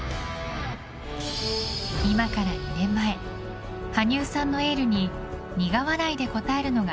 今から２年前羽生さんのエールに苦笑いで応えるのが